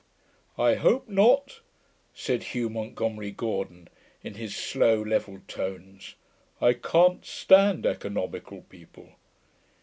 'I hope not,' said Hugh Montgomery Gordon, in his slow, level tones. 'I can't stand economical people.'